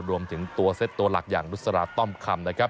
รวมถึงตัวเซ็ตตัวหลักอย่างนุษราต้อมคำนะครับ